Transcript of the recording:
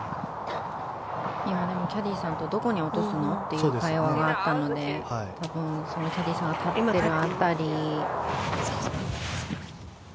今、キャディーさんとどこに落とすの？という会話があったので多分、キャディーさんが立ってる辺り。